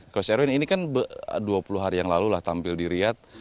coach erwin ini kan dua puluh hari yang lalu lah tampil di riyad